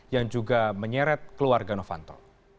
yang juga menyeret keluarga novanto